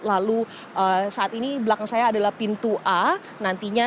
leluhara saat ini belakang saya adalah pintu a